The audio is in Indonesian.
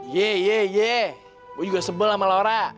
ye ye ye gue juga sebel sama laura